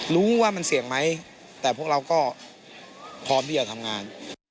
ว่ามันเสี่ยงไหมแต่พวกเราก็พร้อมที่จะทำงาน